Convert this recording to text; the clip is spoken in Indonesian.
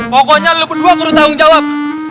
pokoknya lo berdua kurut tanggung jawab